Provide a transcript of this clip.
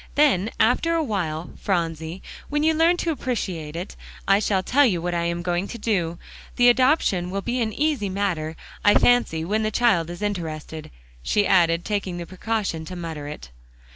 Then after a while, Phronsie, when you learn to appreciate it, I shall tell you what I am going to do. The adoption will be an easy matter, I fancy, when the child is interested," she added, taking the precaution to mutter it.